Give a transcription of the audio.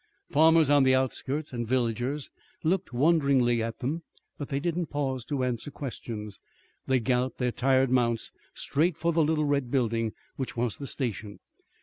Farmers on the outskirts and villagers looked wonderingly at them, but they did not pause to answer questions. They galloped their tired mounts straight for the little red building, which was the station.